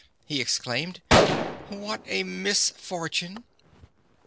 he exclaimed; "what a misfortune!"